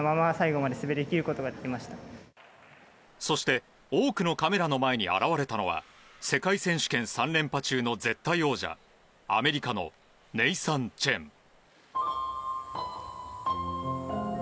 そして多くのカメラの前に現れたのは世界選手権３連覇中の絶対王者アメリカのネイサン・チェン。